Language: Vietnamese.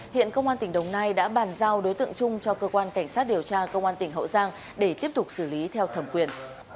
hiện công an tỉnh đồng nai đã bàn giao đối tượng trung cho cơ quan cảnh sát điều tra công an tỉnh hậu giang để tiếp tục xử lý theo thẩm quyền